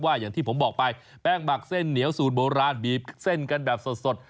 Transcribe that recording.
อย่างที่ผมบอกไปแป้งหมักเส้นเหนียวสูตรโบราณบีบเส้นกันแบบสด